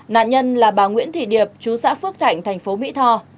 nạn nhân là bà nguyễn thị điệp chú xã phước thạnh thành phố mỹ tho